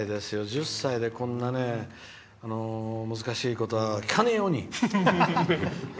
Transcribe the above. １０歳でこんな難しいことは聞かないように！